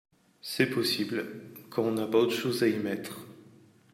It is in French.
C’est possible… quand on n’a pas autre chose à y mettre…